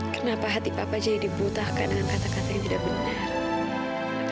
kenapa hati papa jadi dibutahkan dengan kata kata yang tidak benar